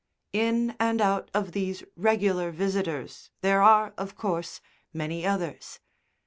In and out of these regular visitors there are, of course, many others.